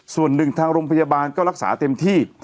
ส่วนหนึ่งทางโรงพยาบาลก็รักษาเต็มที่